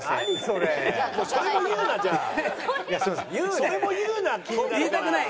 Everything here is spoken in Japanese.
それも言うな。